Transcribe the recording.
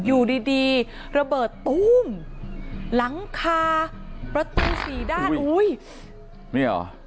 อยู่ดีดีระเบิดตู้มหลังคาประตูสี่ด้านอุ้ยนี่เหรอ